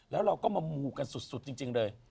แล้วเราก็มามูกันสุดจริงเลย